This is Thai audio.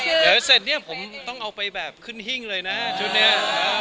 เดี๋ยวเสร็จเนี่ยผมต้องเอาไปแบบขึ้นหิ้งเลยนะชุดนี้